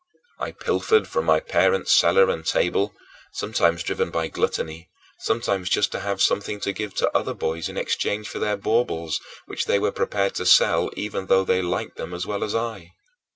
I pilfered from my parents' cellar and table, sometimes driven by gluttony, sometimes just to have something to give to other boys in exchange for their baubles, which they were prepared to sell even though they liked them as well as I.